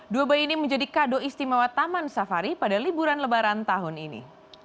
dua bayi ini menjadi kado istimewa taman safari pada liburan lebaran tahun ini